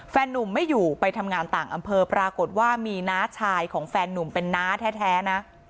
นุ่มไม่อยู่ไปทำงานต่างอำเภอปรากฏว่ามีน้าชายของแฟนนุ่มเป็นน้าแท้นะ